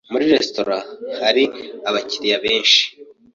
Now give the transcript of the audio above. Muri resitora hari abakiriya benshi.